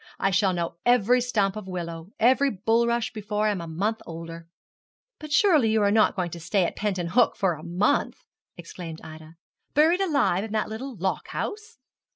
I shall know every stump of willow every bulrush before I am a month older.' 'But surely you are not going to stay at Penton Hook for a month!' exclaimed Ida, 'buried alive in that little lock house?'